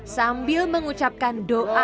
sambil mengucapkan doa